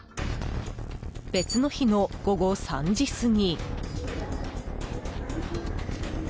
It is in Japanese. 別の日の午後３時過ぎ。